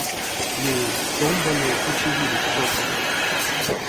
Леенть томбале пиче виресь чополгадсь.